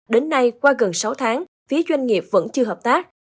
đến nay qua gần sáu tháng phía doanh nghiệp vẫn chưa hợp tác